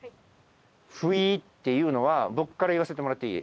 フィーっていうのは、僕から言わせてもらっていい？